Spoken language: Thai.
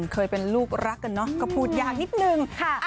เคยเป็นลูกรักกันเนอะก็พูดยากนิดนึง